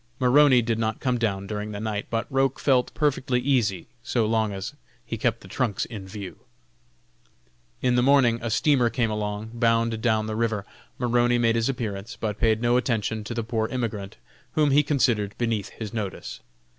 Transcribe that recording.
Maroney did not come down during the night, but Roch felt perfectly easy, so long as he kept the trunks in view. In the morning a steamer came along, bound down the river. Maroney made his appearance, but paid no attention to the poor immigrant, whom he considered beneath his notice.